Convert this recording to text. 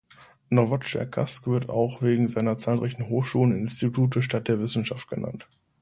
Nowotscherkassk wird auch wegen seiner zahlreichen Hochschulen und Institute Stadt der Wissenschaft genannt.